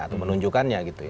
atau menunjukkannya gitu ya